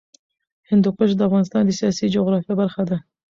هندوکش د افغانستان د سیاسي جغرافیه برخه ده.